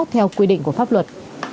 theo quy định của pháp luật